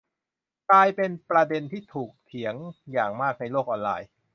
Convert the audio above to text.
กลายเป็นประเด็นที่ถูกถกเถียงอย่างมากในโลกออนไลน์